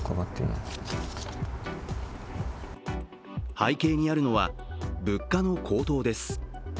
背景にあるのは物価の高騰です。